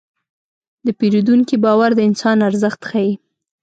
د پیرودونکي باور د انسان ارزښت ښيي.